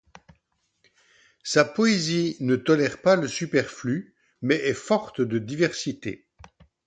Sa poésie ne tolère pas le superflu mais est forte de diversité.